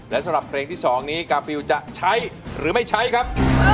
และสำหรับเพลงที่๒นี้กาฟิลจะใช้หรือไม่ใช้ครับ